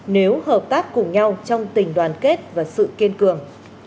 nếu hợp tác cùng nhau trong tình đoàn kết và sự kiên cường